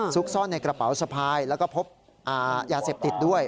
ซ่อนในกระเป๋าสะพายแล้วก็พบยาเสพติดด้วย